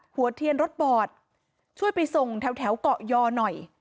หัวเทียนรถบอดช่วยไปส่งแถวเกาะยอหน่อย